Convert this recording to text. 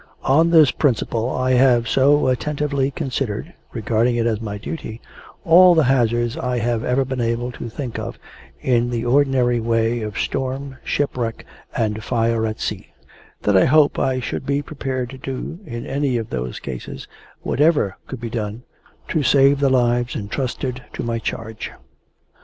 On this principle I have so attentively considered (regarding it as my duty) all the hazards I have ever been able to think of, in the ordinary way of storm, shipwreck, and fire at sea, that I hope I should be prepared to do, in any of those cases, whatever could be done, to save the lives intrusted to my charge.